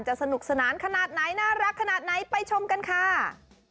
สนุกสนานขนาดไหนน่ารักขนาดไหนไปชมกันค่ะ